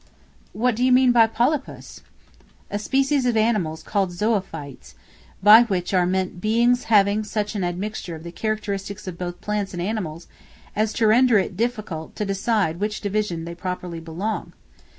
What do you mean by Polypus? A species of animals called Zoophytes, by which are meant beings having such an admixture of the characteristics of both plants and animals, as to render it difficult to decide to which division they properly belong.